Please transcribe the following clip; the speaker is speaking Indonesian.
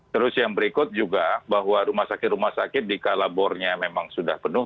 terus yang berikut juga bahwa rumah sakit rumah sakit di kalabornya memang sudah penuh